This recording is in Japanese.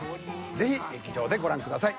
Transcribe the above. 是非劇場でご覧ください。